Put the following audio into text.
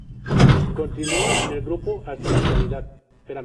Continúa en el grupo hasta la actualidad.